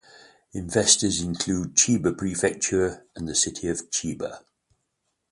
Investors include Chiba Prefecture and the city of Chiba.